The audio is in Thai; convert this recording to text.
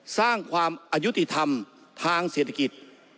สร้างความอายุติธรรมทางเศรษฐกิจ